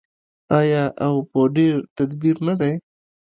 آیا او په ډیر تدبیر نه دی؟